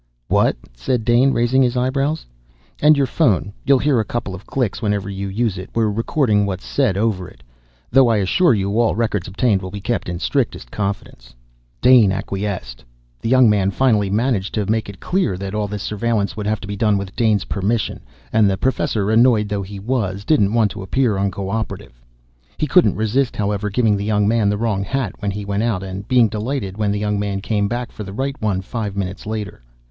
"What?" said Dane, raising his eyebrows. "And your phone. You'll hear a couple of clicks whenever you use it. We're recording what's said over it though I assure you all records obtained will be kept in strictest confidence." Dane acquiesced. The young man finally managed to make it clear that all this surveillance would have to be with Dane's permission and the professor, annoyed though he was, didn't want to appear uncooperative. He couldn't resist, however, giving the young man the wrong hat when he went out and being delighted when the young man came back for the right one five minutes later.